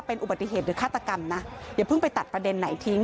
เป็นอุบัติเหตุหรือฆาตกรรมนะอย่าเพิ่งไปตัดประเด็นไหนทิ้ง